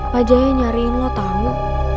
pak jaya nyariin lo tamu